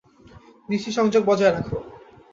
দৃষ্টি সংযোগ বজায় রাখো।